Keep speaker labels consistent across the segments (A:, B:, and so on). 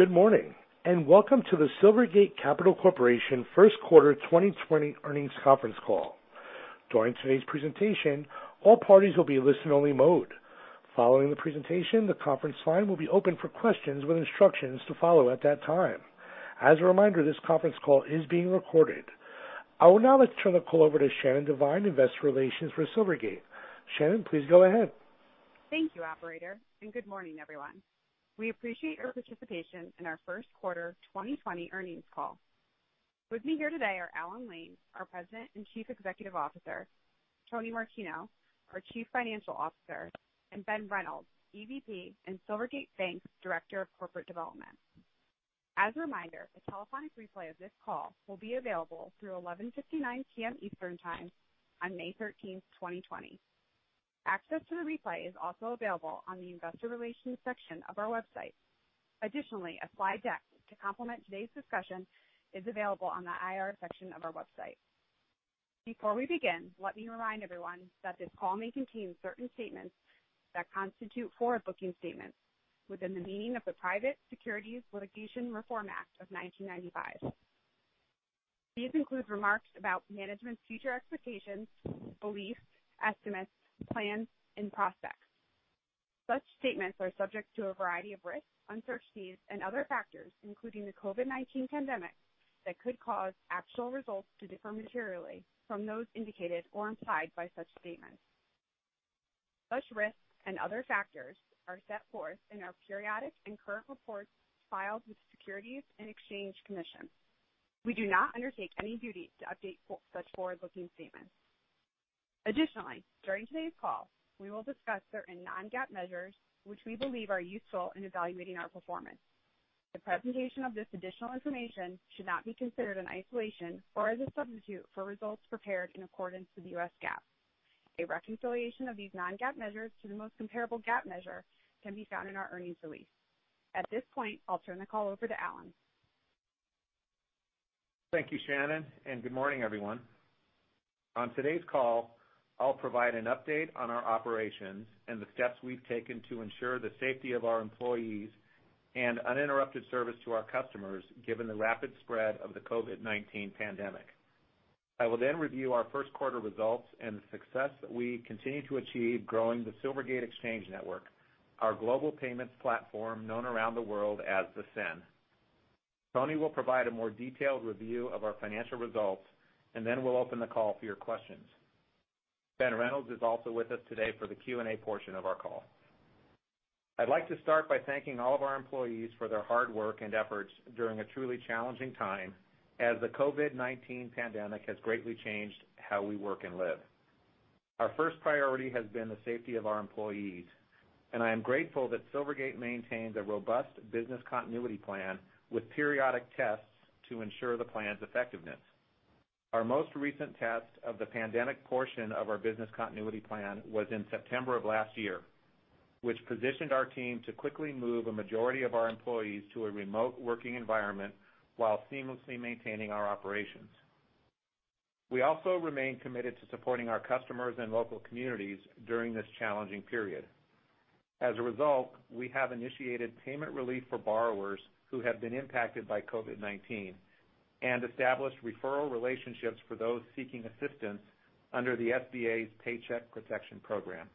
A: Good morning, and welcome to the Silvergate Capital Corporation First Quarter 2020 Earnings Conference Call. During today's presentation, all parties will be in listen-only mode. Following the presentation, the conference line will be open for questions with instructions to follow at that time. As a reminder, this conference call is being recorded. I would now like to turn the call over to Shannon Devine, Investor Relations for Silvergate. Shannon, please go ahead.
B: Thank you, operator. Good morning, everyone. We appreciate your participation in our first quarter 2020 earnings call. With me here today are Alan Lane, our President and Chief Executive Officer, Tony Martino, our Chief Financial Officer, and Ben Reynolds, EVP and Silvergate Bank's Director of Corporate Development. As a reminder, a telephonic replay of this call will be available through 11:59 P.M. Eastern Time on May 13, 2020. Access to the replay is also available on the investor relations section of our website. Additionally, a slide deck to complement today's discussion is available on the IR section of our website. Before we begin, let me remind everyone that this call may contain certain statements that constitute forward-looking statements within the meaning of the Private Securities Litigation Reform Act of 1995. These include remarks about management's future expectations, beliefs, estimates, plans, and prospects. Such statements are subject to a variety of risks, uncertainties, and other factors, including the COVID-19 pandemic, that could cause actual results to differ materially from those indicated or implied by such statements. Such risks and other factors are set forth in our periodic and current reports filed with the Securities and Exchange Commission. We do not undertake any duty to update such forward-looking statements. Additionally, during today's call, we will discuss certain non-GAAP measures which we believe are useful in evaluating our performance. The presentation of this additional information should not be considered in isolation or as a substitute for results prepared in accordance with the U.S. GAAP. A reconciliation of these non-GAAP measures to the most comparable GAAP measure can be found in our earnings release. At this point, I'll turn the call over to Alan.
C: Thank you, Shannon. Good morning, everyone. On today's call, I'll provide an update on our operations and the steps we've taken to ensure the safety of our employees and uninterrupted service to our customers, given the rapid spread of the COVID-19 pandemic. I will then review our first quarter results and the success that we continue to achieve growing the Silvergate Exchange Network, our global payments platform known around the world as the SEN. Tony will provide a more detailed review of our financial results, and then we'll open the call for your questions. Ben Reynolds is also with us today for the Q&A portion of our call. I'd like to start by thanking all of our employees for their hard work and efforts during a truly challenging time as the COVID-19 pandemic has greatly changed how we work and live. Our first priority has been the safety of our employees, and I am grateful that Silvergate maintains a robust business continuity plan with periodic tests to ensure the plan's effectiveness. Our most recent test of the pandemic portion of our business continuity plan was in September of last year, which positioned our team to quickly move a majority of our employees to a remote working environment while seamlessly maintaining our operations. We also remain committed to supporting our customers and local communities during this challenging period. As a result, we have initiated payment relief for borrowers who have been impacted by COVID-19 and established referral relationships for those seeking assistance under the SBA's Paycheck Protection Program.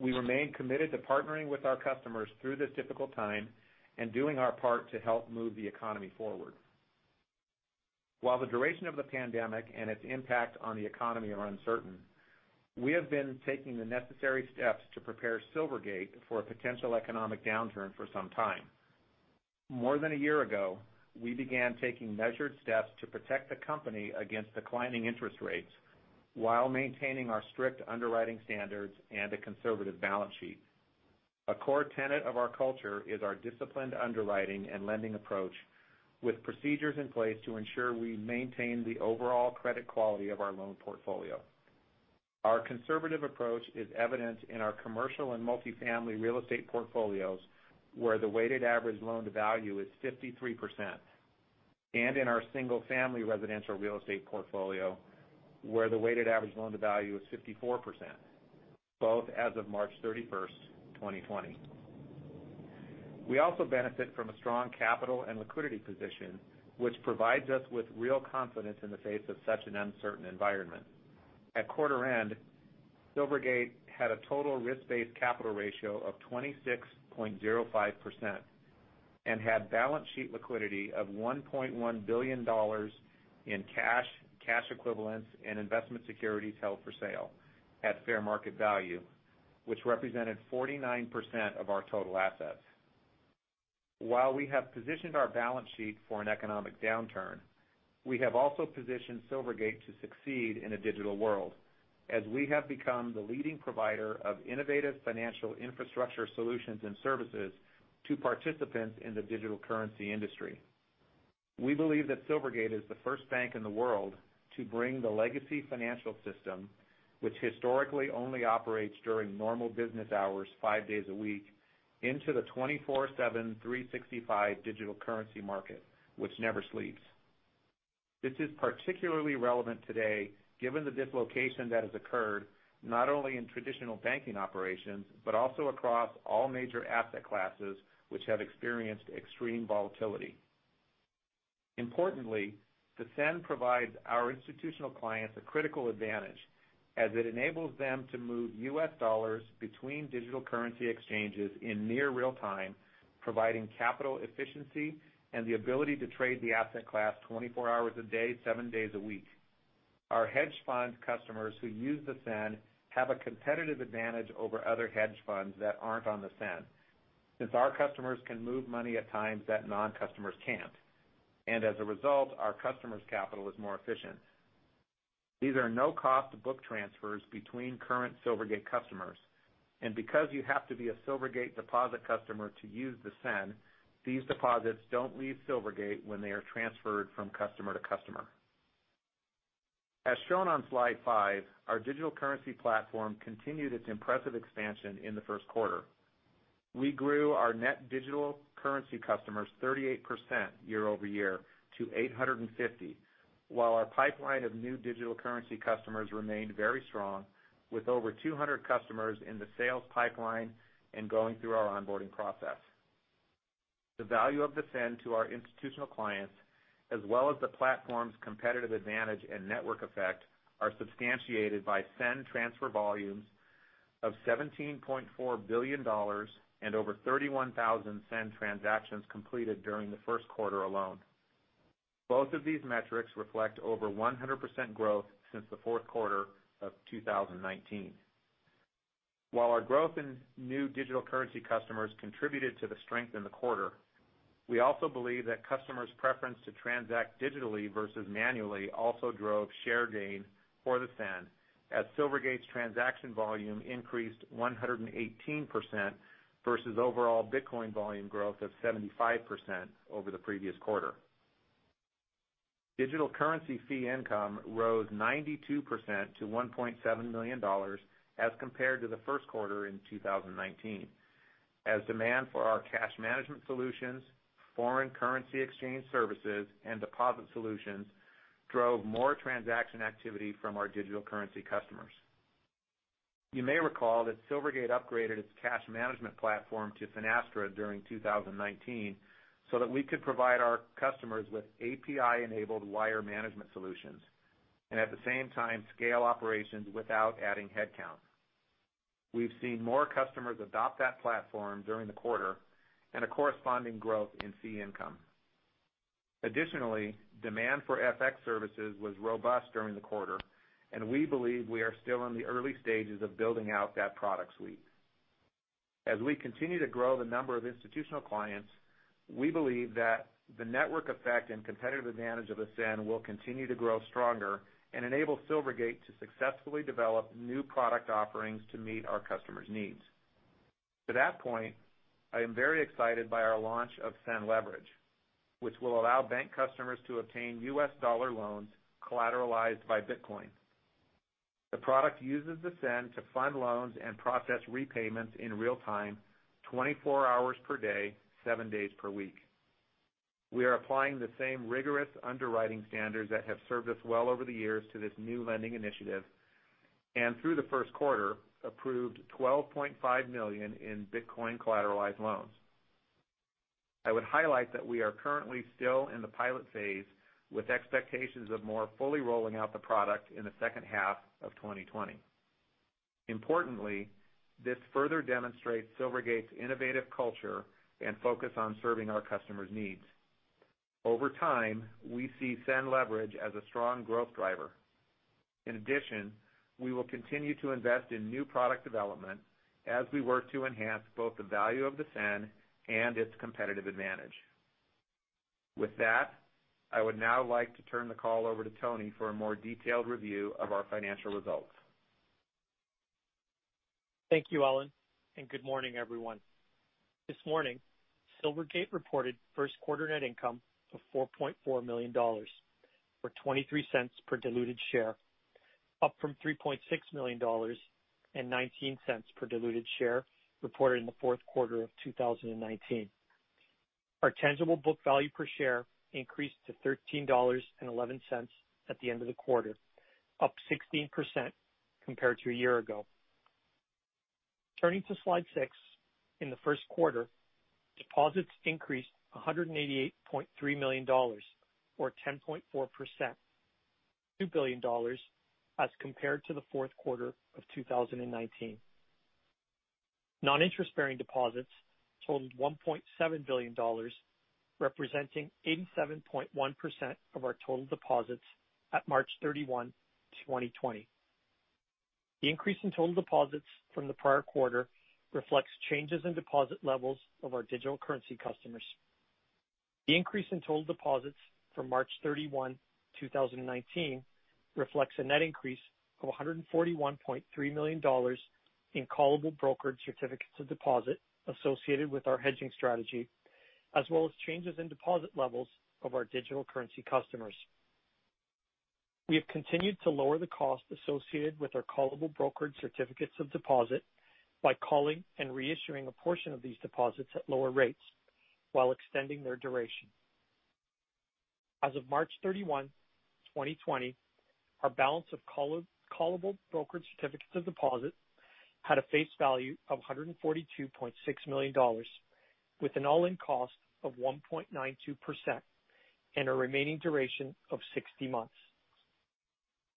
C: We remain committed to partnering with our customers through this difficult time and doing our part to help move the economy forward. While the duration of the pandemic and its impact on the economy are uncertain, we have been taking the necessary steps to prepare Silvergate for a potential economic downturn for some time. More than a year ago, we began taking measured steps to protect the company against declining interest rates while maintaining our strict underwriting standards and a conservative balance sheet. A core tenet of our culture is our disciplined underwriting and lending approach with procedures in place to ensure we maintain the overall credit quality of our loan portfolio. Our conservative approach is evident in our commercial and multifamily real estate portfolios, where the weighted average loan-to-value is 53%, and in our single-family residential real estate portfolio, where the weighted average loan-to-value is 54%, both as of March 31st, 2020. We also benefit from a strong capital and liquidity position, which provides us with real confidence in the face of such an uncertain environment. At quarter end, Silvergate had a total risk-based capital ratio of 26.05% and had balance sheet liquidity of $1.1 billion in cash equivalents, and investment securities held for sale at fair market value, which represented 49% of our total assets. While we have positioned our balance sheet for an economic downturn, we have also positioned Silvergate to succeed in a digital world as we have become the leading provider of innovative financial infrastructure solutions and services to participants in the digital currency industry. We believe that Silvergate is the first bank in the world to bring the legacy financial system, which historically only operates during normal business hours five days a week, into the 24/7, 365 digital currency market, which never sleeps. This is particularly relevant today given the dislocation that has occurred not only in traditional banking operations, but also across all major asset classes, which have experienced extreme volatility. Importantly, the SEN provides our institutional clients a critical advantage as it enables them to move U.S. dollars between digital currency exchanges in near real time, providing capital efficiency and the ability to trade the asset class 24 hours a day, seven days a week. Our hedge fund customers who use the SEN have a competitive advantage over other hedge funds that aren't on the SEN, since our customers can move money at times that non-customers can't, and as a result, our customers' capital is more efficient. These are no-cost book transfers between current Silvergate customers, and because you have to be a Silvergate deposit customer to use the SEN, these deposits don't leave Silvergate when they are transferred from customer to customer. As shown on slide five, our digital currency platform continued its impressive expansion in the first quarter. We grew our net digital currency customers 38% year-over-year to 850, while our pipeline of new digital currency customers remained very strong, with over 200 customers in the sales pipeline and going through our onboarding process. The value of the SEN to our institutional clients, as well as the platform's competitive advantage and network effect, are substantiated by SEN transfer volumes of $17.4 billion and over 31,000 SEN transactions completed during the first quarter alone. Both of these metrics reflect over 100% growth since the fourth quarter of 2019. While our growth in new digital currency customers contributed to the strength in the quarter, we also believe that customers' preference to transact digitally versus manually also drove share gain for the SEN as Silvergate's transaction volume increased 118% versus overall Bitcoin volume growth of 75% over the previous quarter. Digital currency fee income rose 92% to $1.7 million as compared to the first quarter in 2019. As demand for our cash management solutions, foreign currency exchange services, and deposit solutions drove more transaction activity from our digital currency customers. You may recall that Silvergate upgraded its cash management platform to Finastra during 2019 so that we could provide our customers with API-enabled wire management solutions and at the same time scale operations without adding headcount. We've seen more customers adopt that platform during the quarter and a corresponding growth in fee income. Additionally, demand for FX services was robust during the quarter, and we believe we are still in the early stages of building out that product suite. As we continue to grow the number of institutional clients, we believe that the network effect and competitive advantage of the SEN will continue to grow stronger and enable Silvergate to successfully develop new product offerings to meet our customers' needs. To that point, I am very excited by our launch of SEN Leverage, which will allow bank customers to obtain U.S. dollar loans collateralized by Bitcoin. The product uses the SEN to fund loans and process repayments in real time, 24 hours per day, seven days per week. We are applying the same rigorous underwriting standards that have served us well over the years to this new lending initiative, and through the first quarter, approved $12.5 million in Bitcoin-collateralized loans. I would highlight that we are currently still in the pilot phase with expectations of more fully rolling out the product in the second half of 2020. Importantly, this further demonstrates Silvergate's innovative culture and focus on serving our customers' needs. Over time, we see SEN Leverage as a strong growth driver. In addition, we will continue to invest in new product development as we work to enhance both the value of the SEN and its competitive advantage. With that, I would now like to turn the call over to Tony for a more detailed review of our financial results.
D: Thank you, Alan, and good morning, everyone. This morning, Silvergate reported first quarter net income of $4.4 million, or $0.23 per diluted share, up from $3.6 million and $0.19 per diluted share reported in the fourth quarter of 2019. Our tangible book value per share increased to $13.11 at the end of the quarter, up 16% compared to a year ago. Turning to slide six. In the first quarter, deposits increased $188.3 million or 10.4%, $2 billion as compared to the fourth quarter of 2019. Non-interest-bearing deposits totaled $1.7 billion, representing 87.1% of our total deposits at March 31, 2020. The increase in total deposits from the prior quarter reflects changes in deposit levels of our digital currency customers. The increase in total deposits from March 31, 2019, reflects a net increase of $141.3 million in callable brokered certificates of deposit associated with our hedging strategy, as well as changes in deposit levels of our digital currency customers. We have continued to lower the cost associated with our callable brokered certificates of deposit by calling and reissuing a portion of these deposits at lower rates while extending their duration. As of March 31, 2020, our balance of callable brokered certificates of deposit had a face value of $142.6 million, with an all-in cost of 1.92% and a remaining duration of 60 months.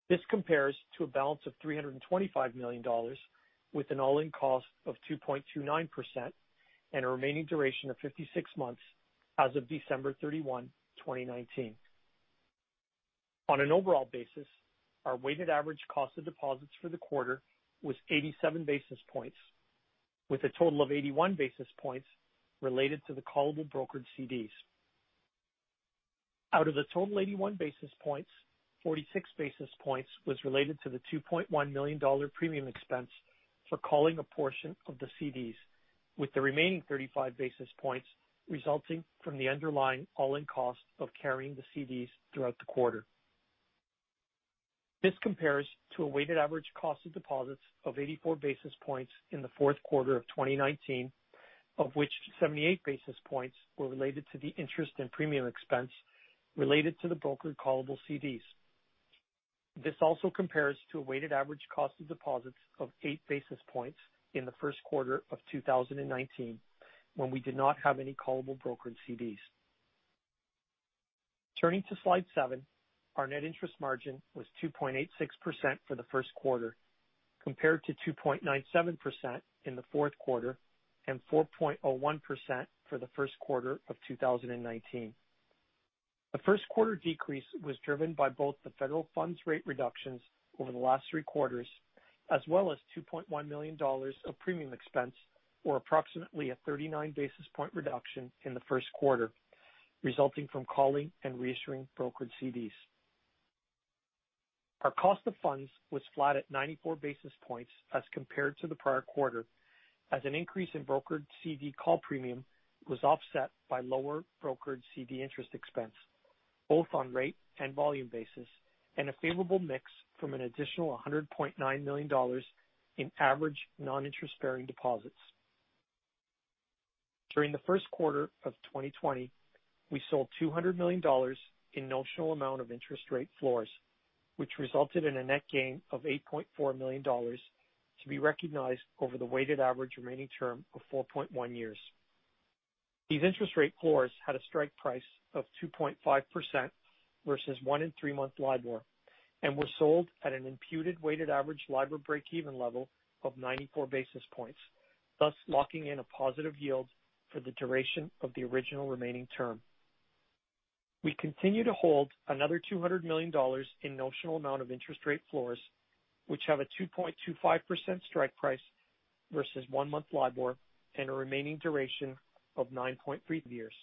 D: This compares to a balance of $325 million with an all-in cost of 2.29% and a remaining duration of 56 months as of December 31, 2019. On an overall basis, our weighted average cost of deposits for the quarter was 87 basis points, with a total of 81 basis points related to the callable brokered CDs. Out of the total 81 basis points, 46 basis points was related to the $2.1 million premium expense for calling a portion of the CDs, with the remaining 35 basis points resulting from the underlying all-in cost of carrying the CDs throughout the quarter. This compares to a weighted average cost of deposits of 84 basis points in the fourth quarter of 2019, of which 78 basis points were related to the interest and premium expense related to the brokered callable CDs. This also compares to a weighted average cost of deposits of eight basis points in the first quarter of 2019, when we did not have any callable brokered CDs. Turning to slide seven, our net interest margin was 2.86% for the first quarter, compared to 2.97% in the fourth quarter and 4.01% for the first quarter of 2019. The first quarter decrease was driven by both the federal funds rate reductions over the last three quarters, as well as $2.1 million of premium expense, or approximately a 39 basis point reduction in the first quarter, resulting from calling and reissuing brokered CDs. Our cost of funds was flat at 94 basis points as compared to the prior quarter, as an increase in brokered CD call premium was offset by lower brokered CD interest expense, both on rate and volume basis, and a favorable mix from an additional $100.9 million in average non-interest-bearing deposits. During the first quarter of 2020, we sold $200 million in notional amount of interest rate floors, which resulted in a net gain of $8.4 million to be recognized over the weighted average remaining term of 4.1 years. These interest rate floors had a strike price of 2.5% versus one and three-month LIBOR and were sold at an imputed weighted average LIBOR breakeven level of 94 basis points, thus locking in a positive yield for the duration of the original remaining term. We continue to hold another $200 million in notional amount of interest rate floors, which have a 2.25% strike price versus one-month LIBOR and a remaining duration of 9.3 years.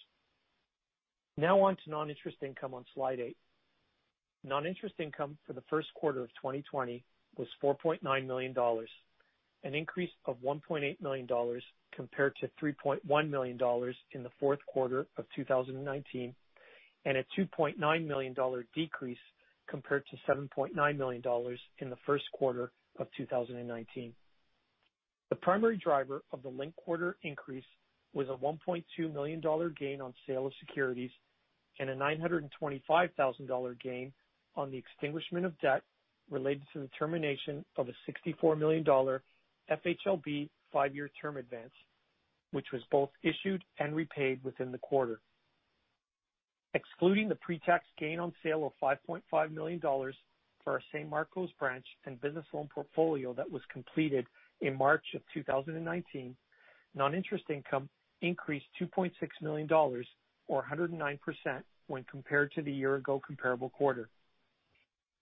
D: Now on to non-interest income on slide eight. Non-interest income for the first quarter of 2020 was $4.9 million, an increase of $1.8 million compared to $3.1 million in the fourth quarter of 2019, and a $2.9 million decrease compared to $7.9 million in the first quarter of 2019. The primary driver of the linked quarter increase was a $1.2 million gain on sale of securities and a $925,000 gain on the extinguishment of debt related to the termination of a $64 million FHLB five-year term advance, which was both issued and repaid within the quarter. Excluding the pre-tax gain on sale of $5.5 million for our San Marcos branch and business loan portfolio that was completed in March of 2019, non-interest income increased $2.6 million, or 109%, when compared to the year-ago comparable quarter.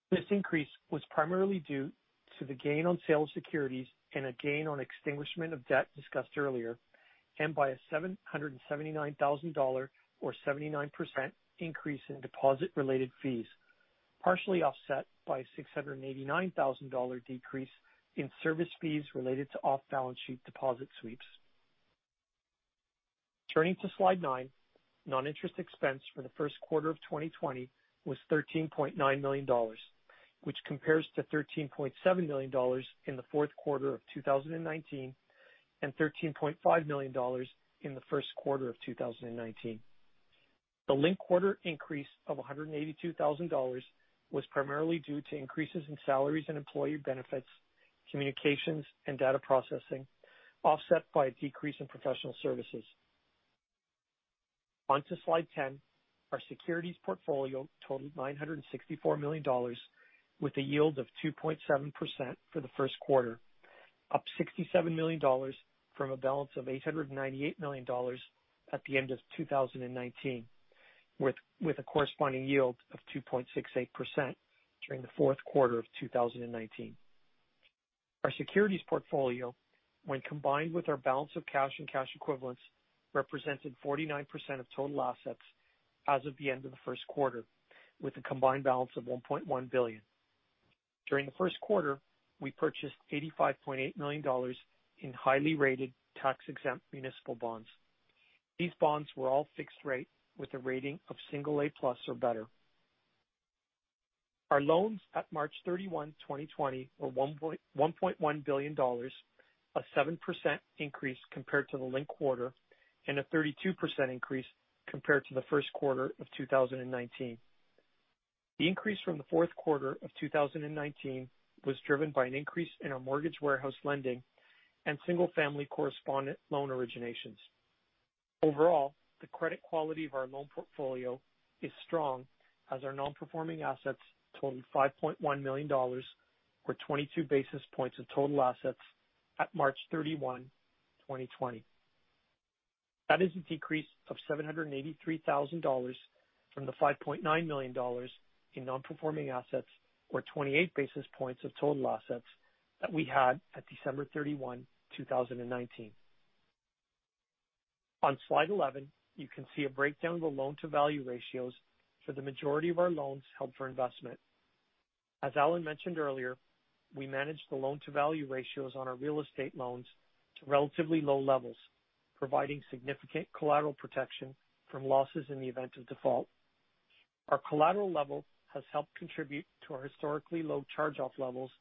D: This increase was primarily due to the gain on sale of securities and a gain on extinguishment of debt discussed earlier, and by a $779,000 or 79% increase in deposit-related fees, partially offset by a $689,000 decrease in service fees related to off-balance-sheet deposit sweeps. Turning to slide nine, non-interest expense for the first quarter of 2020 was $13.9 million, which compares to $13.7 million in the fourth quarter of 2019 and $13.5 million in the first quarter of 2019. The linked-quarter increase of $182,000 was primarily due to increases in salaries and employee benefits, communications, and data processing, offset by a decrease in professional services. On to slide 10, our securities portfolio totaled $964 million with a yield of 2.7% for the first quarter, up $67 million from a balance of $898 million at the end of 2019, with a corresponding yield of 2.68% during the fourth quarter of 2019. Our securities portfolio, when combined with our balance of cash and cash equivalents, represented 49% of total assets as of the end of the first quarter, with a combined balance of $1.1 billion. During the first quarter, we purchased $85.8 million in highly rated tax-exempt municipal bonds. These bonds were all fixed rate with a rating of single A+ or better. Our loans at March 31, 2020, were $1.1 billion, a 7% increase compared to the linked quarter and a 32% increase compared to the first quarter of 2019. The increase from the fourth quarter of 2019 was driven by an increase in our mortgage warehouse lending and single-family correspondent loan originations. Overall, the credit quality of our loan portfolio is strong as our non-performing assets, $5.1 million, or 22 basis points of total assets at March 31, 2020. That is a decrease of $783,000 from the $5.9 million in non-performing assets or 28 basis points of total assets that we had at December 31, 2019. On slide 11, you can see a breakdown of the loan-to-value ratios for the majority of our loans held for investment. As Alan mentioned earlier, we manage the loan-to-value ratios on our real estate loans to relatively low levels, providing significant collateral protection from losses in the event of default. Our collateral level has helped contribute to our historically low charge-off levels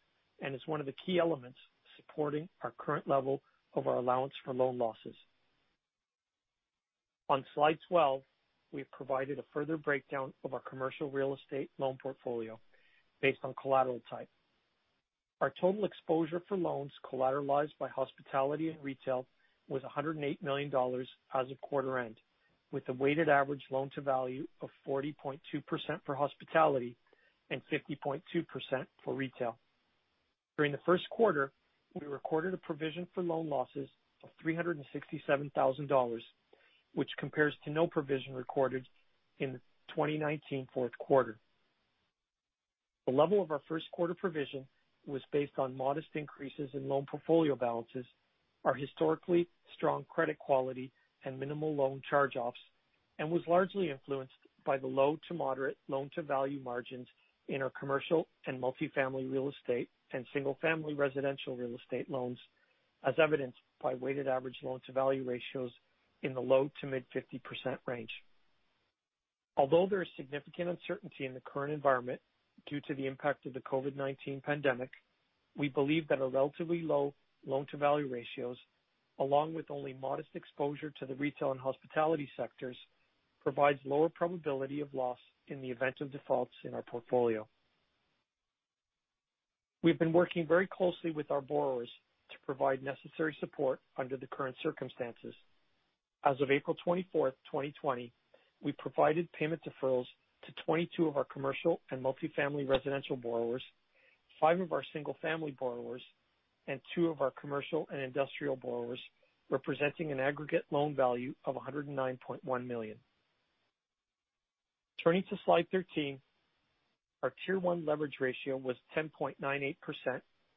D: and is one of the key elements supporting our current level of our allowance for loan losses. On slide 12, we have provided a further breakdown of our commercial real estate loan portfolio based on collateral type. Our total exposure for loans collateralized by hospitality and retail was $108 million as of quarter end, with a weighted average loan-to-value of 40.2% for hospitality and 50.2% for retail. During the first quarter, we recorded a provision for loan losses of $367,000, which compares to no provision recorded in the 2019 fourth quarter. The level of our first quarter provision was based on modest increases in loan portfolio balances, our historically strong credit quality, and minimal loan charge-offs, and was largely influenced by the low to moderate loan-to-value margins in our commercial and multifamily real estate and single-family residential real estate loans, as evidenced by weighted average loan-to-value ratios in the low to mid 50% range. Although there is significant uncertainty in the current environment due to the impact of the COVID-19 pandemic, we believe that our relatively low loan-to-value ratios, along with only modest exposure to the retail and hospitality sectors, provides lower probability of loss in the event of defaults in our portfolio. We've been working very closely with our borrowers to provide necessary support under the current circumstances. As of April 24th, 2020, we provided payment deferrals to 22 of our commercial and multifamily residential borrowers, five of our single-family borrowers, and two of our commercial and industrial borrowers, representing an aggregate loan value of $109.1 million. Turning to slide 13, our Tier 1 leverage ratio was 10.98%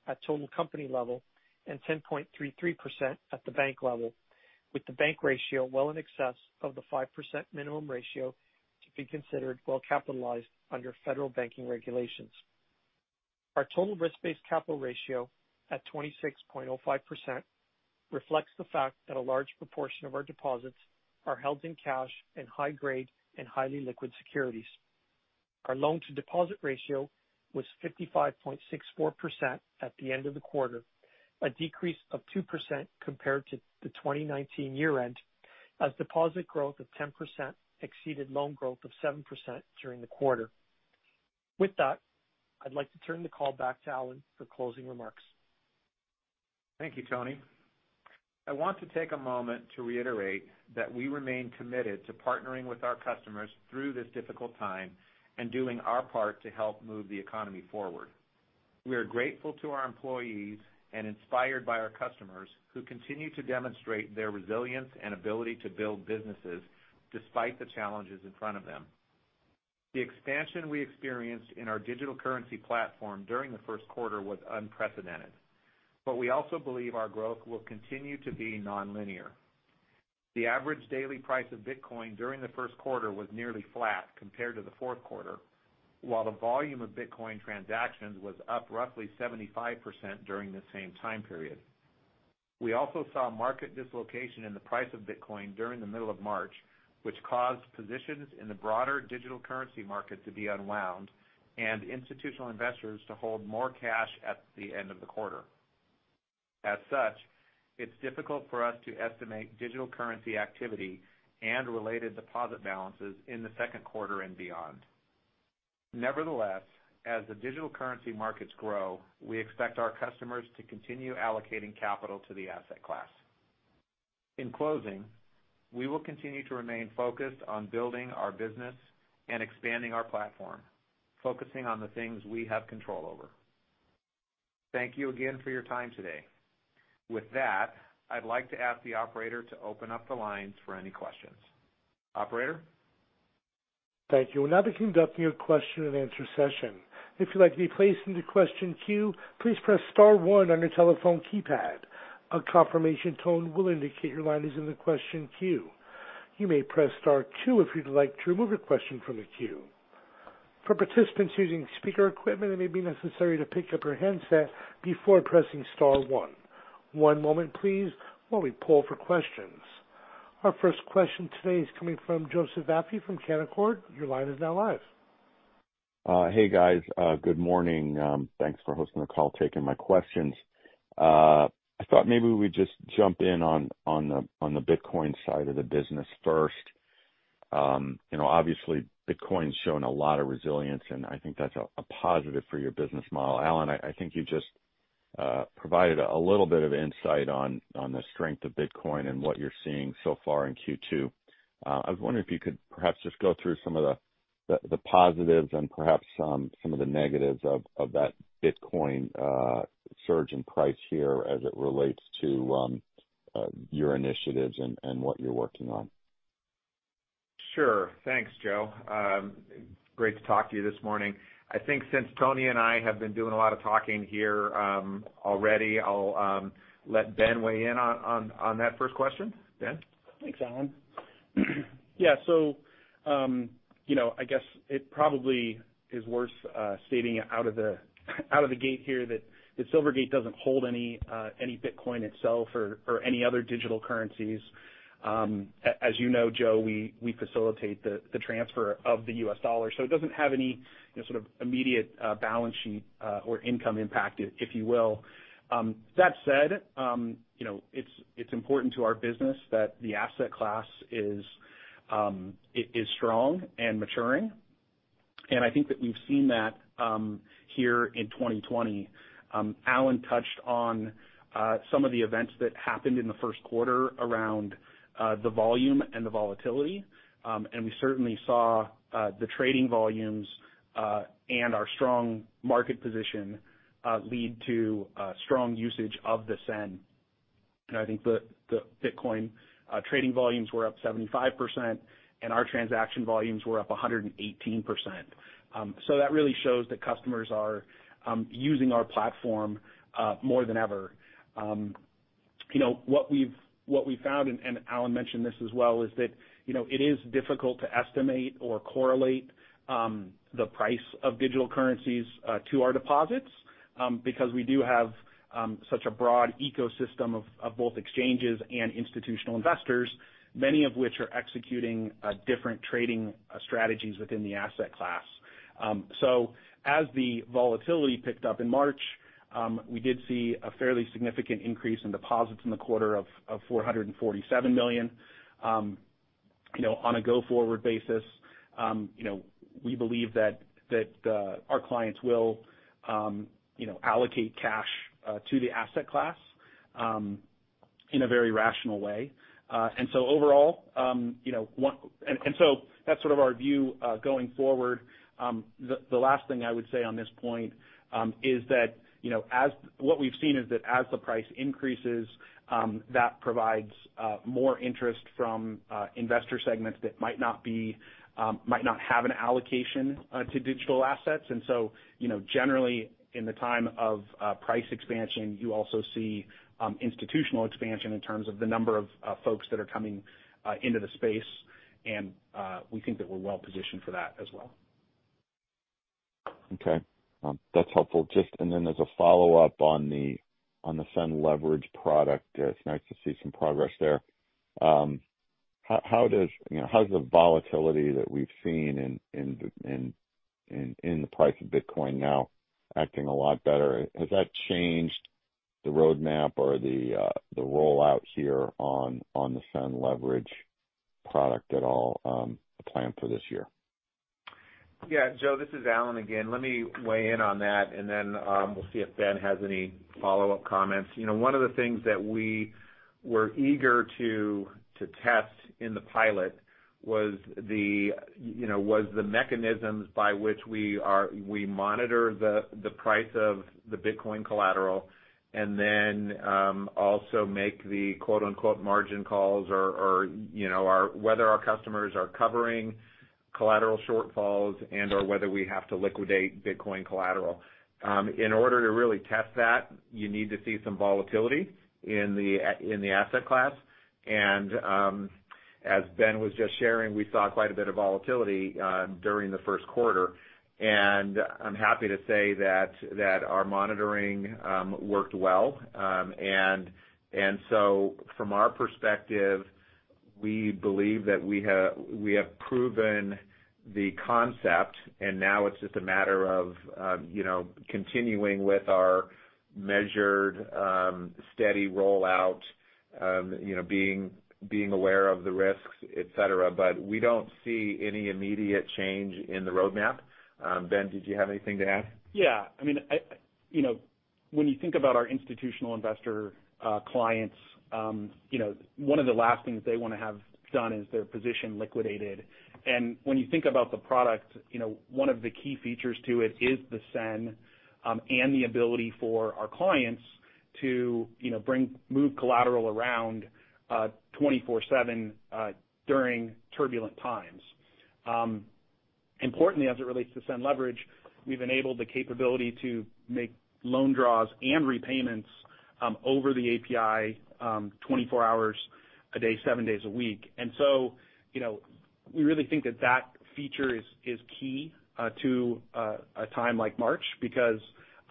D: at total company level and 10.33% at the bank level, with the bank ratio well in excess of the 5% minimum ratio to be considered well-capitalized under federal banking regulations. Our total risk-based capital ratio at 26.05% reflects the fact that a large proportion of our deposits are held in cash and high grade and highly liquid securities. Our loan to deposit ratio was 55.64% at the end of the quarter, a decrease of 2% compared to the 2019 year-end, as deposit growth of 10% exceeded loan growth of 7% during the quarter. With that, I'd like to turn the call back to Alan for closing remarks.
C: Thank you, Tony. I want to take a moment to reiterate that we remain committed to partnering with our customers through this difficult time and doing our part to help move the economy forward. We are grateful to our employees and inspired by our customers who continue to demonstrate their resilience and ability to build businesses despite the challenges in front of them. The expansion we experienced in our digital currency platform during the first quarter was unprecedented. We also believe our growth will continue to be nonlinear. The average daily price of Bitcoin during the first quarter was nearly flat compared to the fourth quarter, while the volume of Bitcoin transactions was up roughly 75% during the same time period. We also saw market dislocation in the price of Bitcoin during the middle of March, which caused positions in the broader digital currency market to be unwound and institutional investors to hold more cash at the end of the quarter. As such, it's difficult for us to estimate digital currency activity and related deposit balances in the second quarter and beyond. Nevertheless, as the digital currency markets grow, we expect our customers to continue allocating capital to the asset class. In closing, we will continue to remain focused on building our business and expanding our platform, focusing on the things we have control over. Thank you again for your time today. With that, I'd like to ask the operator to open up the lines for any questions. Operator?
A: Thank you. We'll now be conducting a question and answer session. If you'd like to be placed into question queue, please press star one on your telephone keypad. A confirmation tone will indicate your line is in the question queue. You may press star two if you'd like to remove a question from the queue. For participants using speaker equipment, it may be necessary to pick up your handset before pressing star one. One moment please while we poll for questions. Our first question today is coming from Joseph Vafi from Canaccord. Your line is now live.
E: Hey, guys. Good morning. Thanks for hosting the call, taking my questions. I thought maybe we'd just jump in on the Bitcoin side of the business first. Obviously, Bitcoin's shown a lot of resilience, I think that's a positive for your business model. Alan, I think you just provided a little bit of insight on the strength of Bitcoin and what you're seeing so far in Q2. I was wondering if you could perhaps just go through some of the positives and perhaps some of the negatives of that Bitcoin surge in price here as it relates to your initiatives and what you're working on.
C: Sure. Thanks, Joe. Great to talk to you this morning. I think since Tony and I have been doing a lot of talking here already, I'll let Ben weigh in on that first question. Ben?
F: Thanks, Alan. I guess it probably is worth stating out of the gate here that Silvergate doesn't hold any Bitcoin itself or any other digital currencies. As you know, Joe, we facilitate the transfer of the U.S. dollar, it doesn't have any sort of immediate balance sheet or income impact, if you will. That said, it's important to our business that the asset class is strong and maturing, I think that we've seen that here in 2020. Alan touched on some of the events that happened in the first quarter around the volume and the volatility. We certainly saw the trading volumes, and our strong market position lead to strong usage of the SEN. I think the Bitcoin trading volumes were up 75%, our transaction volumes were up 118%. That really shows that customers are using our platform more than ever. What we've found, Alan mentioned this as well, is that it is difficult to estimate or correlate the price of digital currencies to our deposits, because we do have such a broad ecosystem of both exchanges and institutional investors, many of which are executing different trading strategies within the asset class. As the volatility picked up in March, we did see a fairly significant increase in deposits in the quarter of $447 million. On a go-forward basis, we believe that our clients will allocate cash to the asset class in a very rational way. That's sort of our view going forward. The last thing I would say on this point is that what we've seen is that as the price increases, that provides more interest from investor segments that might not have an allocation to digital assets. Generally in the time of price expansion, you also see institutional expansion in terms of the number of folks that are coming into the space. We think that we're well-positioned for that as well.
E: Okay. That's helpful. Then as a follow-up on the SEN Leverage product, it's nice to see some progress there. How's the volatility that we've seen in the price of Bitcoin now acting a lot better? Has that changed the roadmap or the rollout here on the SEN Leverage product at all planned for this year?
C: Joe, this is Alan again. Let me weigh in on that, and then we'll see if Ben has any follow-up comments. One of the things that we were eager to test in the pilot was the mechanisms by which we monitor the price of the Bitcoin collateral, and then also make the quote unquote "margin calls" or whether our customers are covering collateral shortfalls and/or whether we have to liquidate Bitcoin collateral. In order to really test that, you need to see some volatility in the asset class. As Ben was just sharing, we saw quite a bit of volatility during the first quarter, and I'm happy to say that our monitoring worked well. From our perspective, we believe that we have proven the concept, and now it's just a matter of continuing with our measured, steady rollout, being aware of the risks, et cetera. We don't see any immediate change in the roadmap. Ben, did you have anything to add?
F: Yeah. When you think about our institutional investor clients, one of the last things they want to have done is their position liquidated. When you think about the product, one of the key features to it is the SEN, and the ability for our clients to move collateral around 24/7 during turbulent times. Importantly, as it relates to SEN Leverage, we've enabled the capability to make loan draws and repayments over the API 24 hours a day, seven days a week. We really think that feature is key to a time like March because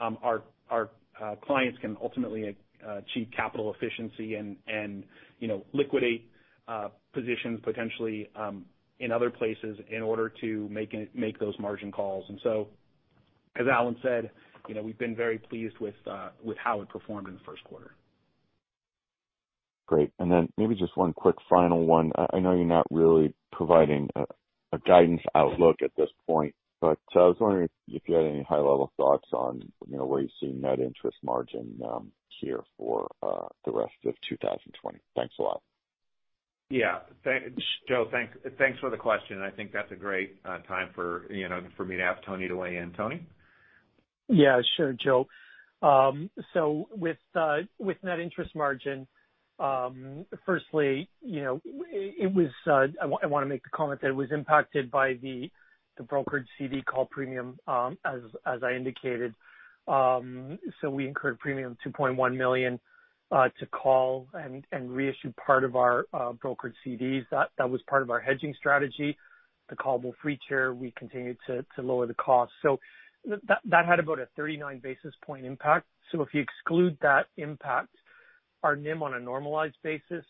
F: our clients can ultimately achieve capital efficiency and liquidate positions potentially in other places in order to make those margin calls. As Alan said, we've been very pleased with how it performed in the first quarter.
E: Great. Maybe just one quick final one. I know you're not really providing a guidance outlook at this point, but I was wondering if you had any high-level thoughts on where you see net interest margin here for the rest of 2020. Thanks a lot.
C: Yeah. Joe, thanks for the question. I think that's a great time for me to ask Tony to weigh in. Tony?
D: Yeah, sure, Joe. With net interest margin, firstly I want to make the comment that it was impacted by the brokered CD call premium as I indicated. We incurred premium $2.1 million to call and reissue part of our brokered CDs. That was part of our hedging strategy. The callable feature, we continued to lower the cost. That had about a 39 basis point impact. If you exclude that impact, our NIM on a normalized basis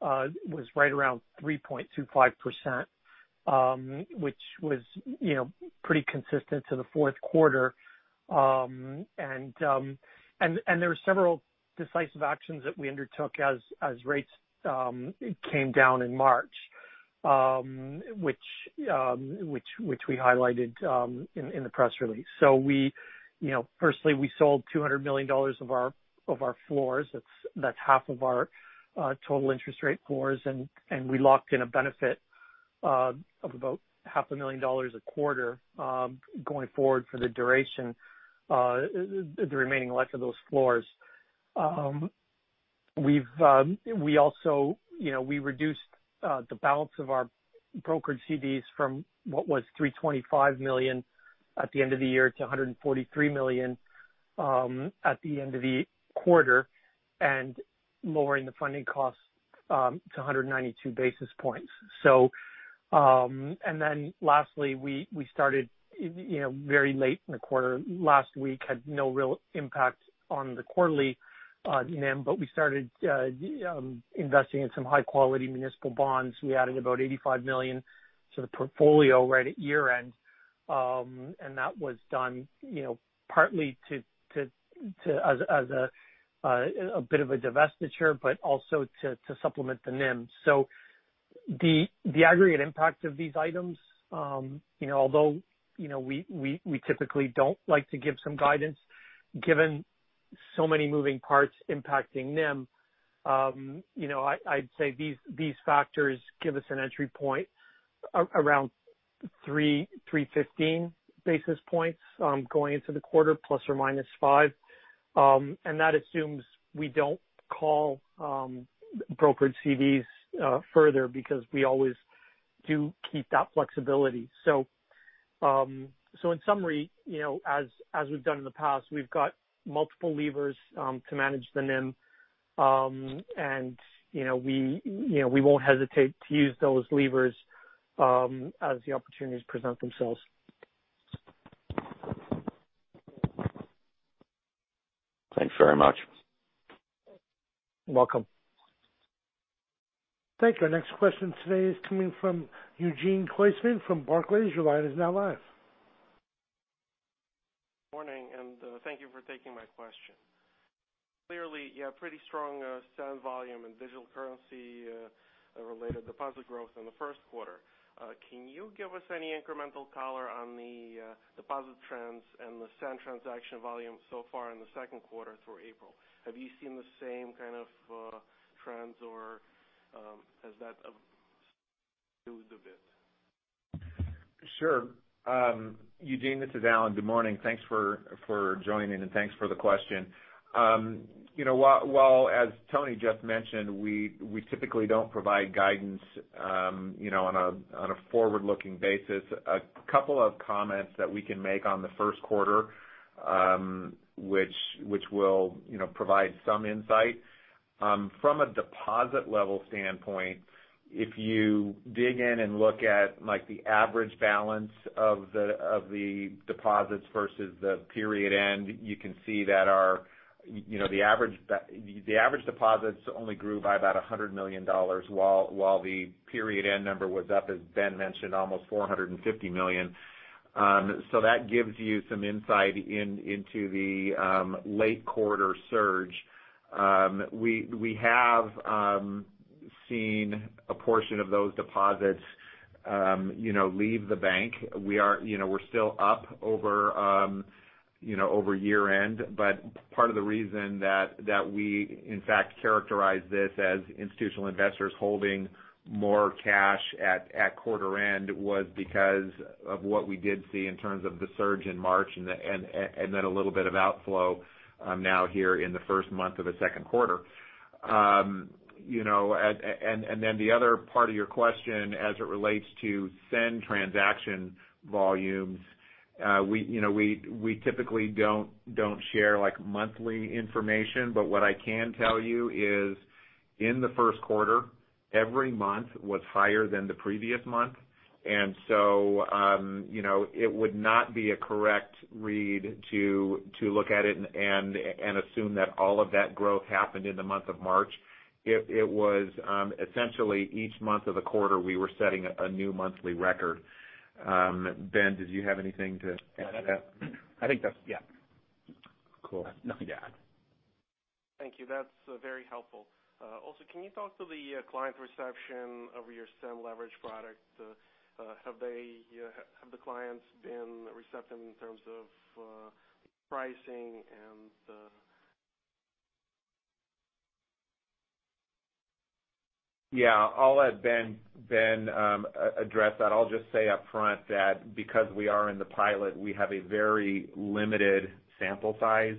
D: was right around 3.25%, which was pretty consistent to the fourth quarter. There were several decisive actions that we undertook as rates came down in March which we highlighted in the press release. Firstly, we sold $200 million of our floors. That's half of our total interest rate floors. We locked in a benefit of about $0.5 million a quarter going forward for the duration the remaining life of those floors. We reduced the balance of our brokered CDs from what was $325 million at the end of the year to $143 million at the end of the quarter and lowering the funding cost to 192 basis points. Lastly, we started very late in the quarter. Last week had no real impact on the quarterly NIM, but we started investing in some high-quality municipal bonds. We added about $85 million to the portfolio right at year end. That was done partly as a bit of a divestiture, but also to supplement the NIM. The aggregate impact of these items although we typically don't like to give some guidance given so many moving parts impacting NIM, I'd say these factors give us an entry point around 315 basis points going into the quarter ±5. That assumes we don't call brokered CDs further because we always do keep that flexibility. In summary as we've done in the past, we've got multiple levers to manage the NIM. We won't hesitate to use those levers as the opportunities present themselves.
E: Thanks very much.
D: You're welcome.
A: Thank you. Our next question today is coming from Eugene Koysman from Barclays. Your line is now live.
G: Morning. Thank you for taking my question. Clearly you have pretty strong SEN volume and digital currency related deposit growth in the first quarter. Can you give us any incremental color on the deposit trends and the SEN transaction volume so far in the second quarter through April? Have you seen the same kind of trends or has that subdued a bit?
C: Sure. Eugene, this is Alan. Good morning. Thanks for joining and thanks for the question. As Tony just mentioned, we typically don't provide guidance on a forward-looking basis. A couple of comments that we can make on the first quarter which will provide some insight. From a deposit level standpoint, if you dig in and look at the average balance of the deposits versus the period end, you can see that the average deposits only grew by about $100 million while the period end number was up, as Ben mentioned, almost $450 million. That gives you some insight into the late quarter surge. We have seen a portion of those deposits leave the bank. We're still up over year-end, but part of the reason that we in fact characterize this as institutional investors holding more cash at quarter end was because of what we did see in terms of the surge in March and then a little bit of outflow now here in the first month of the second quarter. The other part of your question as it relates to SEN transaction volumes, we typically don't share monthly information, but what I can tell you is in the first quarter, every month was higher than the previous month. It would not be a correct read to look at it and assume that all of that growth happened in the month of March. It was essentially each month of the quarter, we were setting a new monthly record. Ben, did you have anything to add to that?
F: I think that's yeah.
C: Cool.
F: Nothing to add.
G: Thank you. That's very helpful. Can you talk to the client reception of your SEN Leverage product? Have the clients been receptive in terms of pricing and the.
C: Yeah, I'll let Ben address that. I'll just say up front that because we are in the pilot, we have a very limited sample size.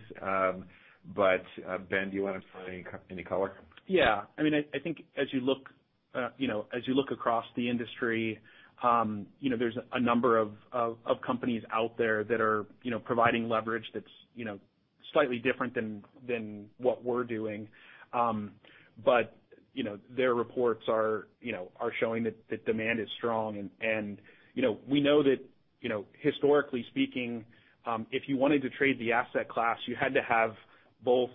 C: Ben, do you want to provide any color?
F: I think as you look across the industry, there's a number of companies out there that are providing leverage that's slightly different than what we're doing. Their reports are showing that demand is strong, and we know that historically speaking, if you wanted to trade the asset class, you had to have both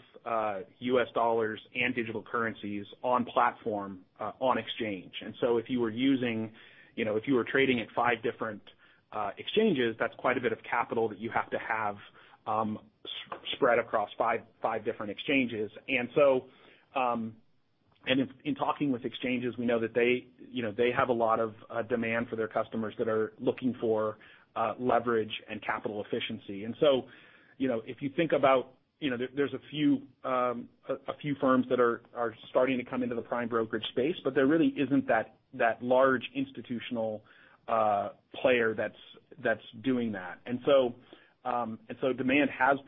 F: U.S. dollars and digital currencies on platform, on exchange. If you were trading at five different exchanges, that's quite a bit of capital that you have to have spread across five different exchanges. In talking with exchanges, we know that they have a lot of demand for their customers that are looking for leverage and capital efficiency. If you think about, there's a few firms that are starting to come into the prime brokerage space, but there really isn't that large institutional player that's doing that. Demand has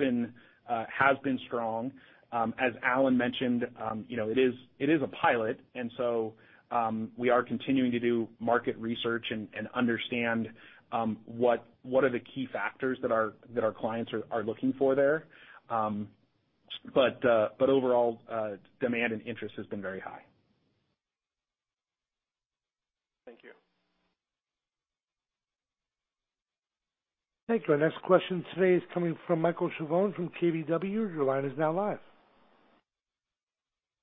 F: been strong. As Alan mentioned, it is a pilot, and so, we are continuing to do market research and understand what are the key factors that our clients are looking for there. Overall, demand and interest has been very high.
G: Thank you.
A: Thank you. Our next question today is coming from Michael Schiavone from KBW. Your line is now live.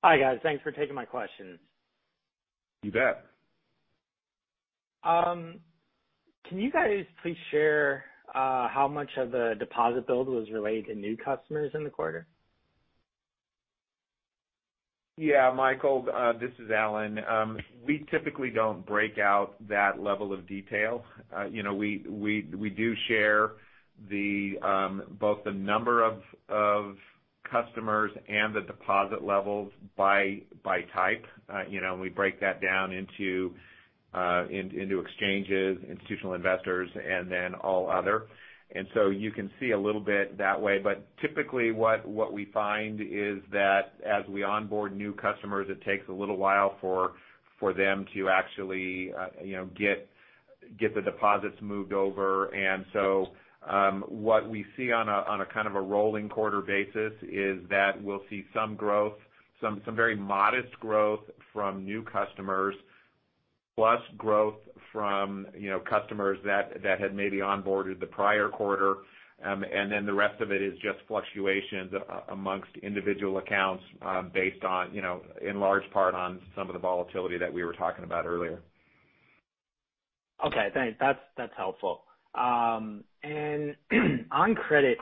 H: Hi, guys. Thanks for taking my questions.
C: You bet.
H: Can you guys please share how much of the deposit build was related to new customers in the quarter?
C: Yeah, Michael. This is Alan. We typically don't break out that level of detail. We do share both the number of customers and the deposit levels by type. We break that down into exchanges, institutional investors, and then all other. You can see a little bit that way, but typically what we find is that as we onboard new customers, it takes a little while for them to actually get the deposits moved over. What we see on a kind of a rolling quarter basis is that we'll see some growth, some very modest growth from new customers, plus growth from customers that had maybe onboarded the prior quarter. The rest of it is just fluctuations amongst individual accounts, based in large part on some of the volatility that we were talking about earlier.
H: Okay, thanks. That's helpful. On credit,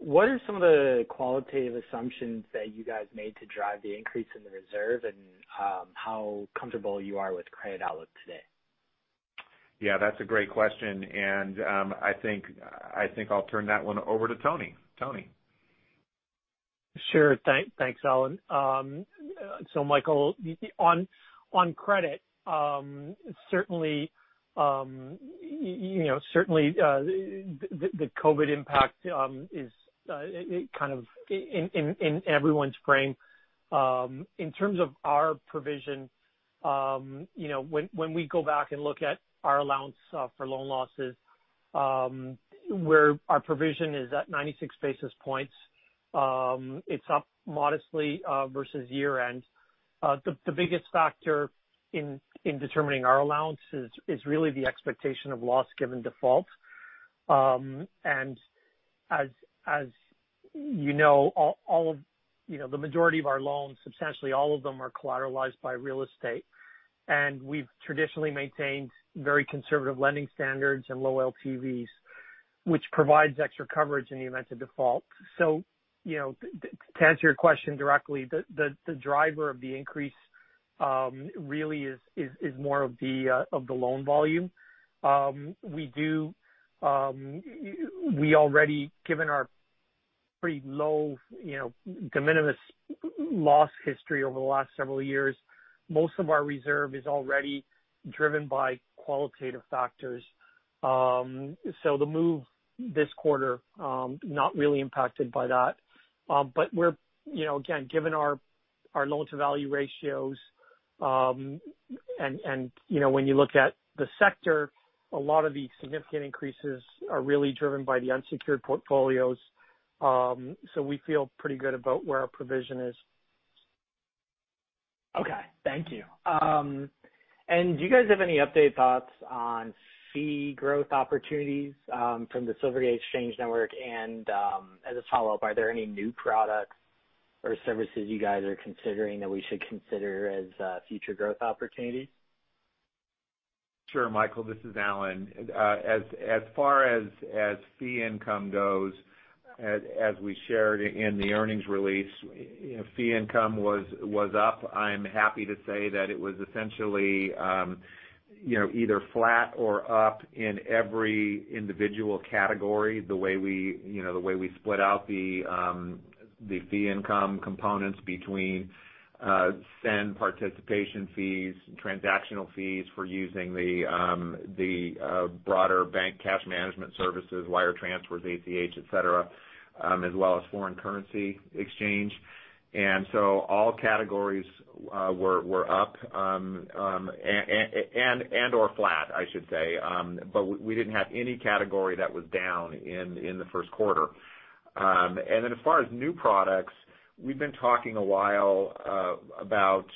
H: what are some of the qualitative assumptions that you guys made to drive the increase in the reserve and how comfortable you are with credit outlook today?
C: Yeah, that's a great question, and I think I'll turn that one over to Tony. Tony?
D: Sure. Thanks, Alan. Michael, on credit, certainly the COVID impact is kind of in everyone's brain. In terms of our provision, when we go back and look at our allowance for loan losses, where our provision is at 96 basis points, it's up modestly versus year-end. The biggest factor in determining our allowance is really the expectation of loss given default. As you know, the majority of our loans, substantially all of them, are collateralized by real estate. We've traditionally maintained very conservative lending standards and low LTVs, which provides extra coverage in the event of default. To answer your question directly, the driver of the increase really is more of the loan volume. We already given our pretty low de minimis loss history over the last several years, most of our reserve is already driven by qualitative factors. The move this quarter, not really impacted by that. Again, given our loan-to-value ratios, and when you look at the sector, a lot of the significant increases are really driven by the unsecured portfolios. We feel pretty good about where our provision is.
H: Okay. Thank you. Do you guys have any updated thoughts on fee growth opportunities from the Silvergate Exchange Network? As a follow-up, are there any new products or services you guys are considering that we should consider as future growth opportunities?
C: Sure, Michael, this is Alan. As far as fee income goes, as we shared in the earnings release, fee income was up. I'm happy to say that it was essentially either flat or up in every individual category, the way we split out the fee income components between SEN participation fees, transactional fees for using the broader bank cash management services, wire transfers, ACH, et cetera, as well as foreign currency exchange. All categories were up, and/or flat, I should say. We didn't have any category that was down in the first quarter. As far as new products, we've been talking a while about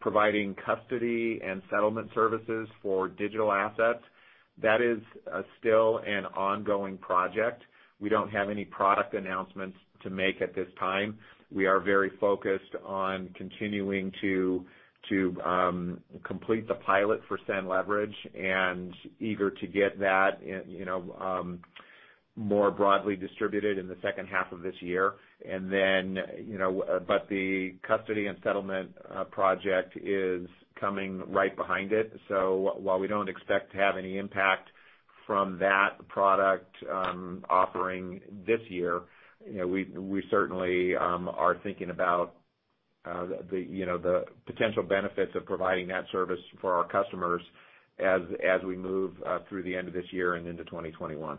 C: providing custody and settlement services for digital assets. That is still an ongoing project. We don't have any product announcements to make at this time. We are very focused on continuing to complete the pilot for SEN Leverage and eager to get that more broadly distributed in the second half of this year. The custody and settlement project is coming right behind it. While we don't expect to have any impact from that product offering this year, we certainly are thinking about the potential benefits of providing that service for our customers as we move through the end of this year and into 2021.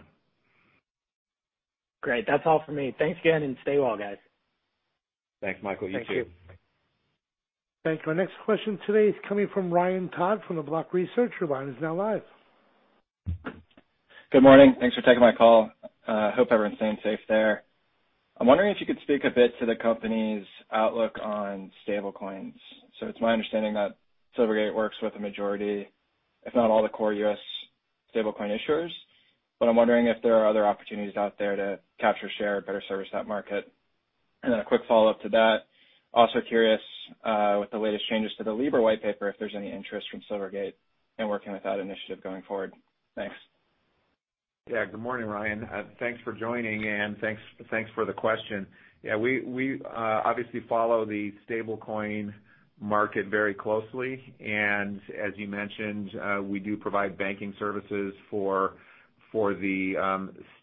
H: Great. That's all for me. Thanks again, and stay well, guys.
C: Thanks, Michael. You too.
F: Thank you.
A: Thank you. Our next question today is coming from Ryan Todd from The Block Research. Your line is now live.
I: Good morning. Thanks for taking my call. Hope everyone's staying safe there. I'm wondering if you could speak a bit to the company's outlook on stablecoins. It's my understanding that Silvergate works with a majority, if not all, the core U.S. stablecoin issuers. I'm wondering if there are other opportunities out there to capture, share, or better service that market. A quick follow-up to that. Also curious with the latest changes to the Libra whitepaper, if there's any interest from Silvergate in working with that initiative going forward. Thanks.
C: Good morning, Ryan. Thanks for joining, and thanks for the question. We obviously follow the stablecoin market very closely. As you mentioned, we do provide banking services for the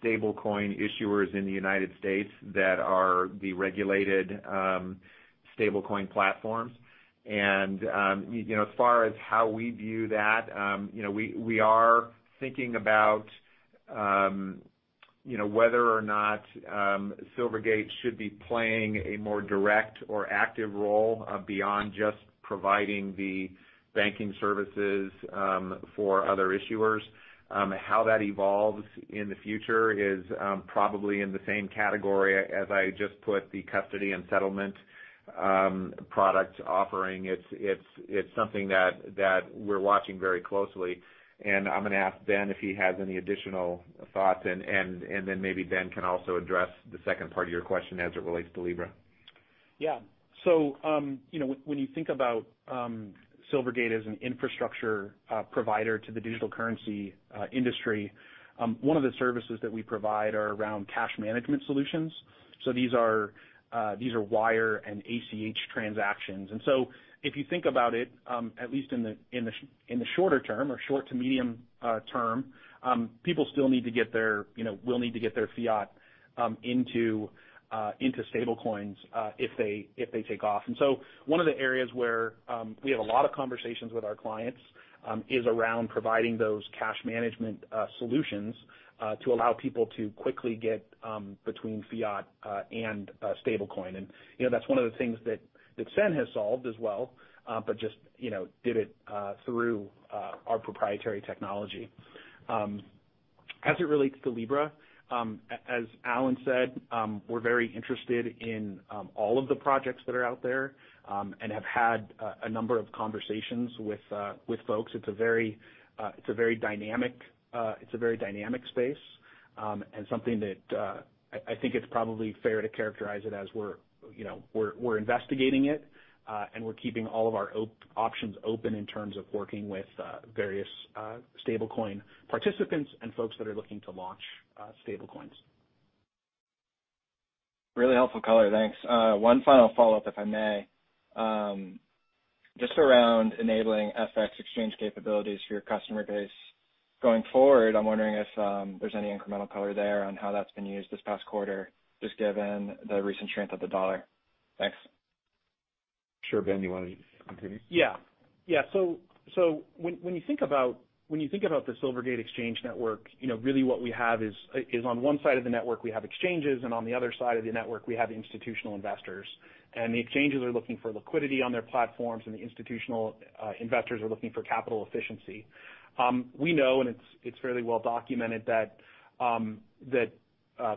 C: stablecoin issuers in the United States that are the regulated stablecoin platforms. As far as how we view that, we are thinking about whether or not Silvergate should be playing a more direct or active role beyond just providing the banking services for other issuers. How that evolves in the future is probably in the same category as I just put the custody and settlement product offering. It's something that we're watching very closely. I'm going to ask Ben if he has any additional thoughts, and then maybe Ben can also address the second part of your question as it relates to Libra.
F: When you think about Silvergate as an infrastructure provider to the digital currency industry, one of the services that we provide are around cash management solutions. These are wire and ACH transactions. If you think about it, at least in the shorter term or short to medium term, people still will need to get their fiat into stablecoins if they take off. One of the areas where we have a lot of conversations with our clients is around providing those cash management solutions to allow people to quickly get between fiat and stablecoin. That's one of the things that SEN has solved as well but just did it through our proprietary technology. As it relates to Libra, as Alan said, we're very interested in all of the projects that are out there and have had a number of conversations with folks. It's a very dynamic space. I think it's probably fair to characterize it as we're investigating it, and we're keeping all of our options open in terms of working with various stablecoin participants and folks that are looking to launch stablecoins.
I: Really helpful color. Thanks. One final follow-up, if I may. Just around enabling FX exchange capabilities for your customer base going forward, I'm wondering if there's any incremental color there on how that's been used this past quarter, just given the recent strength of the dollar? Thanks.
C: Sure. Ben, you wanna continue?
F: Yeah. When you think about the Silvergate Exchange Network, really what we have is on one side of the network, we have exchanges, and on the other side of the network, we have institutional investors. The exchanges are looking for liquidity on their platforms, and the institutional investors are looking for capital efficiency. We know, and it's fairly well documented, that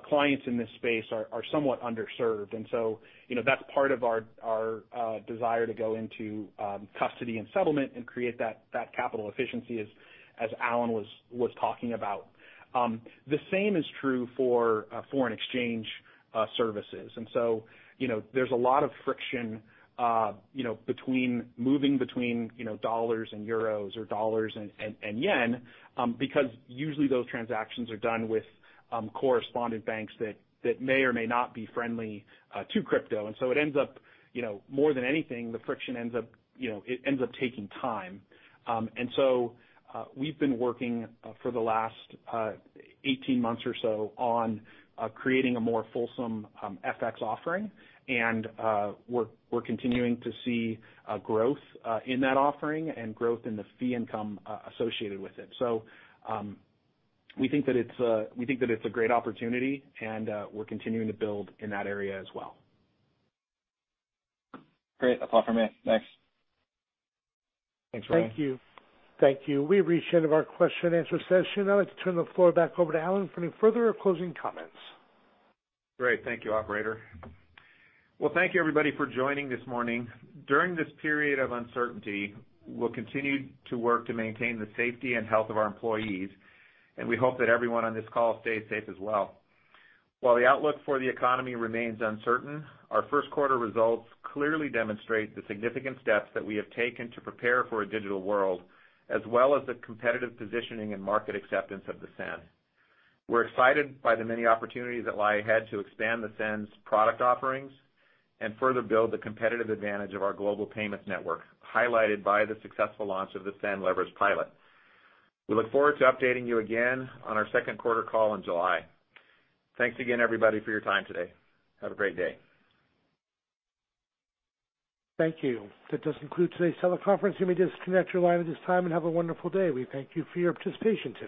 F: clients in this space are somewhat underserved. That's part of our desire to go into custody and settlement and create that capital efficiency, as Alan was talking about. The same is true for foreign exchange services. There's a lot of friction moving between dollars and euros or dollars and yen, because usually those transactions are done with correspondent banks that may or may not be friendly to crypto. It ends up, more than anything, the friction ends up taking time. We've been working for the last 18 months or so on creating a more fulsome FX offering. We're continuing to see growth in that offering and growth in the fee income associated with it. We think that it's a great opportunity, and we're continuing to build in that area as well.
I: Great. That's all for me. Thanks.
F: Thanks, Ryan.
A: Thank you. We've reached the end of our question and answer session. I'd like to turn the floor back over to Alan for any further or closing comments.
C: Great. Thank you, operator. Thank you everybody for joining this morning. During this period of uncertainty, we'll continue to work to maintain the safety and health of our employees, and we hope that everyone on this call stays safe as well. While the outlook for the economy remains uncertain, our first quarter results clearly demonstrate the significant steps that we have taken to prepare for a digital world, as well as the competitive positioning and market acceptance of the SEN. We're excited by the many opportunities that lie ahead to expand the SEN's product offerings and further build the competitive advantage of our global payments network, highlighted by the successful launch of the SEN Leverage pilot. We look forward to updating you again on our second quarter call in July. Thanks again, everybody, for your time today. Have a great day.
A: Thank you. That does conclude today's teleconference. You may disconnect your line at this time, and have a wonderful day. We thank you for your participation today.